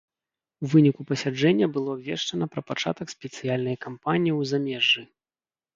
У выніку пасяджэння было абвешчана пра пачатак спецыяльнай кампаніі ў замежжы.